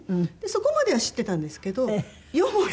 そこまでは知ってたんですけどよもや